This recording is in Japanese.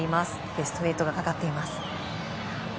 ベスト８がかかっています。